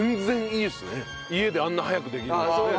家であんな早くできるなんてね。